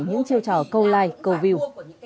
những chiêu trò câu like câu view